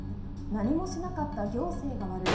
何もしなかった行政が悪い。